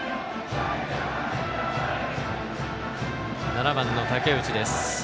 ７番の竹内です。